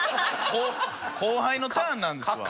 後輩のターンなんですわ。